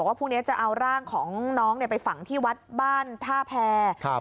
บอกว่าพรุ่งนี้จะเอาร่างของน้องเนี่ยไปฝังที่วัดบ้านท่าแพร